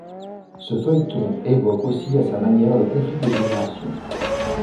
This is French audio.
Ce feuilleton évoque aussi à sa manière le conflit des générations.